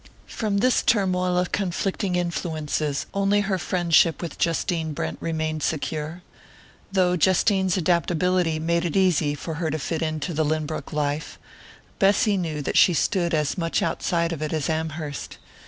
From this turmoil of conflicting influences only her friendship with Justine Brent remained secure. Though Justine's adaptability made it easy for her to fit into the Lynbrook life, Bessy knew that she stood as much outside of it as Amherst.